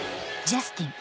ジャスティン！